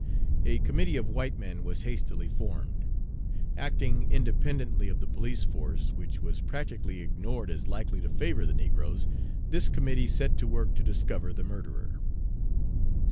A committee of white men was hastily formed. Acting independently of the police force, which was practically ignored as likely to favor the negroes, this committee set to work to discover the murderer.